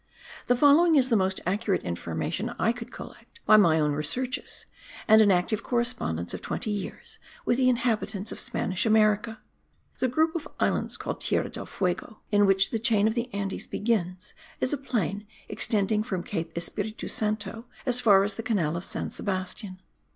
The following is the most accurate information I could collect by my own researches and an active correspondence of twenty years with the inhabitants of Spanish America. The group of islands called Tierra del Fuego, in which the chain of the Andes begins, is a plain extending from Cape Espiritu Santo as far as the canal of San Sebastian.